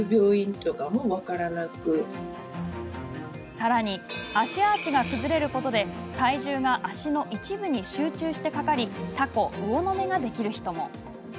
さらに足アーチが崩れることで体重が足の一部に集中してかかりタコ、魚の目ができる人も。